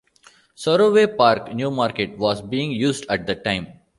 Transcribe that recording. Saroway Park Newmarket was being used at the time.